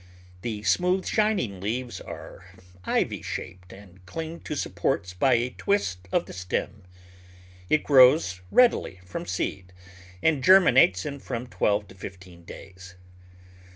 The smooth, shining leaves are ivy shaped and cling to supports by a twist of the stem. It grows readily from seed, and germinates in from twelve to fifteen days.